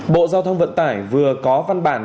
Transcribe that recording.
bộ giao thông vận tải vừa có văn bản